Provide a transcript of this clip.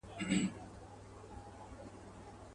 څومره ښکلې دي کږه توره مشوکه.